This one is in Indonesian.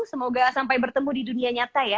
semoga sampai bertemu di dunia nyata ya